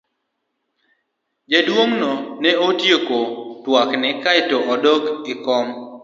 Jaduong'no ne otieko twakne kae to odok e kom.